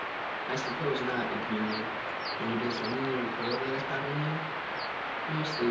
"I suppose not," agreed Ned. "And is it only the recoil that is bothering you?" "Mostly.